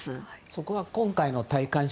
そこは今回の戴冠式